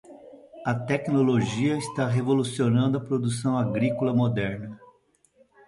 A tecnologia está revolucionando a produção agrícola moderna.